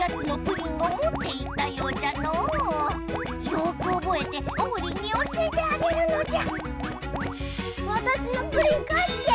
よくおぼえてオウリンに教えてあげるのじゃ！